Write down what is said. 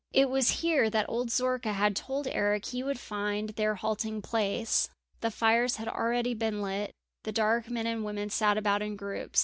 It was here that old Zorka had told Eric he would find their halting place. The fires had already been lit, the dark men and women sat about in groups.